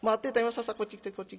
さあさこっち来てこっち来て。